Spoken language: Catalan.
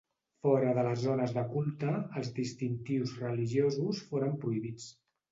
Fora de les zones de culte, els distintius religiosos foren prohibits.